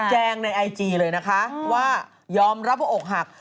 แจงในไอจีเลยนะคะว่ายอมรับโอบหัก